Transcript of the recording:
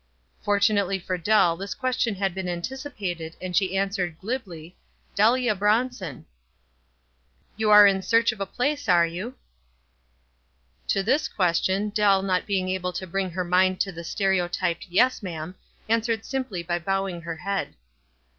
Fortunately for Dell this question had been anticipated, and she answered, glibly, — "Delia Bronson." "You are in search of a place, are you?" To this question, Dell, not being able to bring her mind to the stereotyped "Yes, ma'am," an swered simply by bowing her head.